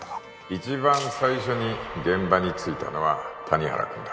一番最初に現場に着いたのは谷原君だ